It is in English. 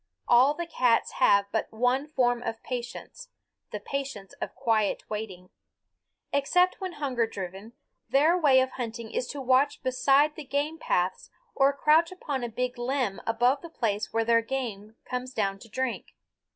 All the cats have but one form of patience, the patience of quiet waiting. Except when hunger driven, their way of hunting is to watch beside the game paths or crouch upon a big limb above the place where their game comes down to drink.